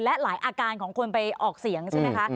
และหลายอาการของคนไปออกเสียงใช่ไหมคะ